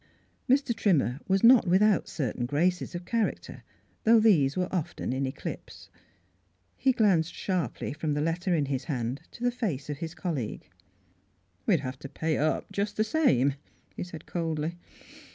Mr. Trimmer was not without certain Miss Fhilurd's Wedding Gown graces of character, though these were often in eclipse. He glanced sharply from the letter in his hand to the face of his colleague. " We'd have to pay up just the same," he said coldly.